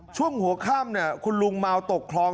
ช่วงหัวข้ามเนี่ยคุณลุงเมาตกคลอง